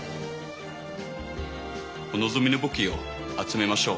お望みの武器を集めましょう。